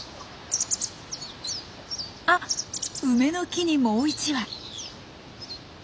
あ梅の木にもう一羽。